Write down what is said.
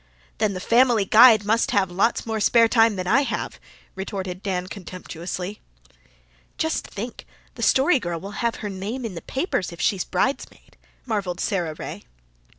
"Then the Family Guide people must have lots more spare time than I have," retorted Dan contemptuously. "Just think, the Story Girl will have her name in the papers if she's bridesmaid," marvelled Sara Ray.